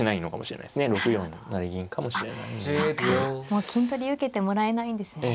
もう金取り受けてもらえないんですね。